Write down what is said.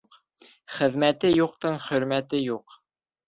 Хеҙмәте юҡтың хөрмәте юҡ.